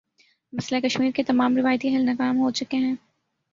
مسئلہ کشمیر کے تمام روایتی حل ناکام ہو چکے ہیں۔